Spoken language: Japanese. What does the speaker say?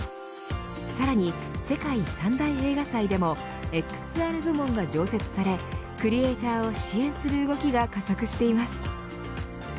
さらに世界三大映画祭でもＸＲ部門が常設されクリエイターを支援する動きが加速しています。